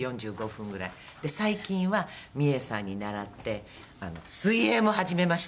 で最近はミエさんにならって水泳も始めました。